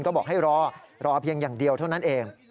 ก็บอกให้รอรอเพียงอย่างเดียวเท่านั้นเอง